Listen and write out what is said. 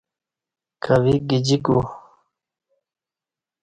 کویک گجیکو